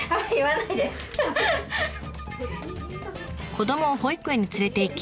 子どもを保育園に連れていき